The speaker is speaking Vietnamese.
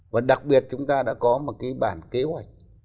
và đặc biệt chúng ta đã có một cái bản kế hoạch